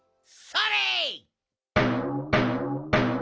それ！